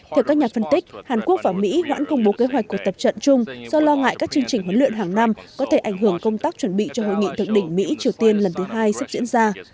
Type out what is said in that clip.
theo các nhà phân tích hàn quốc và mỹ hoãn công bố kế hoạch cuộc tập trận chung do lo ngại các chương trình huấn luyện hàng năm có thể ảnh hưởng công tác chuẩn bị cho hội nghị thượng đỉnh mỹ triều tiên lần thứ hai sắp diễn ra